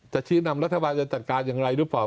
ชี้นำรัฐบาลจะจัดการอย่างไรหรือเปล่า